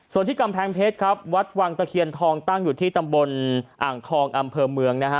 ส่วนที่กำแพงเพชรครับวัดวังตะเคียนทองตั้งอยู่ที่ตำบลอ่างทองอำเภอเมืองนะฮะ